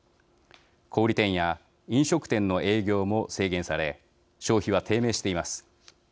小売店や飲食店の営業も制限され消費は低迷しています。